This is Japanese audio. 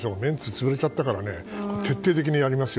潰れちゃったから徹底的にやりますよ。